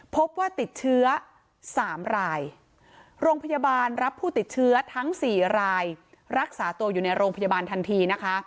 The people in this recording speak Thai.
พบว่าติดเชื้อ๓รายโรงพยาบาลรับผู้ติดเชื้อทั้ง๔รายรักษาตัวอยู่ในโรงพยาบาลทันทีนะคะ